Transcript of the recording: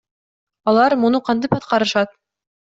Алар муну кантип аткарышат?